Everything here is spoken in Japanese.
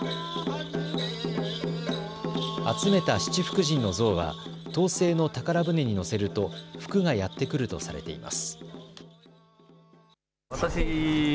集めた七福神の像は陶製の宝船に乗せると福がやって来るとされています。